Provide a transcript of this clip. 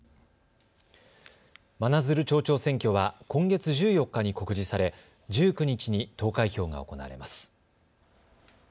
真鶴町長選挙は今月１４日に告示され、１９日に投開票が行われます。